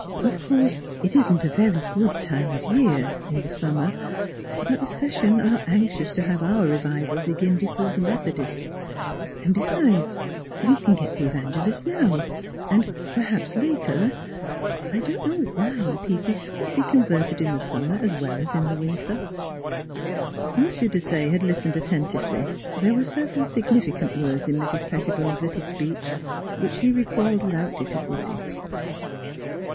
" Of course it isn't a very good time of year in the summer. But the session are anxious to have our revival begin before the Methodists; and besides, we can get the evangelist now, and perhaps later I don't know why people shouldn't be converted in the summer as well as in the winter." M. Desaye had listened attentively. There were several significant words in Mrs. Petti bone's little speech which he recalled without difficulty.